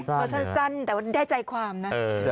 พอสั้นแต่ว่าได้ใจความนะ